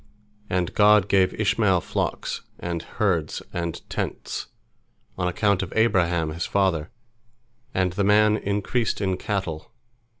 And God gave Ishmael flocks, and herds, and tents, on account of Abraham his father, and the man increased in cattle.